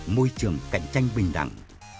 sáu môi trường cạnh tranh bình đẳng